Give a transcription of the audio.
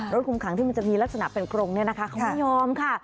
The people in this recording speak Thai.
คุมขังที่มันจะมีลักษณะเป็นกรงเนี่ยนะคะเขาไม่ยอมค่ะ